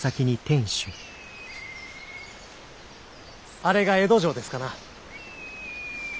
あれが江戸城ですかな。